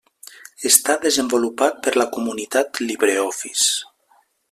Està desenvolupat per la comunitat LibreOffice.